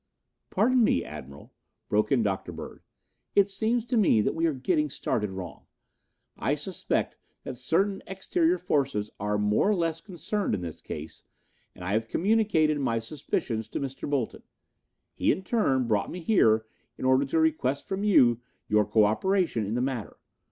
"Pardon me, Admiral," broke in Dr. Bird, "it seems to me that we are getting started wrong. I suspect that certain exterior forces are more or less concerned in this case and I have communicated my suspicions to Mr. Bolton. He in turn brought me here in order to request from you your cooperation in the matter.